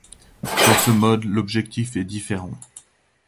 Dans ce mode, l'objectif est différent.